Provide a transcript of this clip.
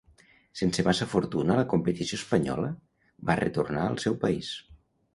Sense massa fortuna la competició espanyola, va retornar al seu país.